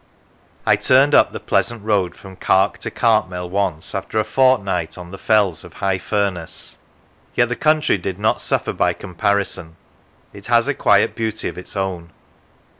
I turned up the pleasant road from Cark to Cartmel once, after a fortnight on the fells of High Furness; yet the country did not suffer by comparison; it has a quiet beauty of its own.